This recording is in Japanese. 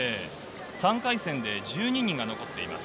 ３回戦で１２人が残っています。